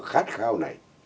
khát khao này